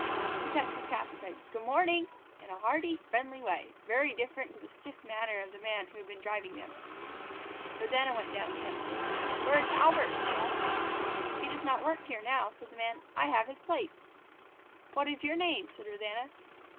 He touched his cap and said "Good morning!" in a hearty, friendly way, very different to the stiff manner of the man who had been driving them. Rosanna went down to him. "Where is Albert?" she asked. "He does not work here now," said the man. "I have his place." "What is your name?" said Rosanna.